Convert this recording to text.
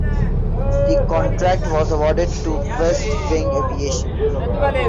The contract was awarded to West Wing Aviation.